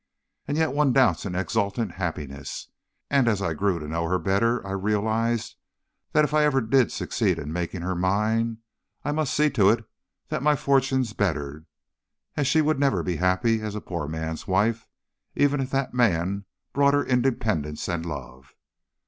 And yet one doubts an exultant happiness; and as I grew to know her better, I realized that if I ever did succeed in making her mine, I must see to it that my fortunes bettered, as she would never be happy as a poor man's wife, even if that man brought her independence and love.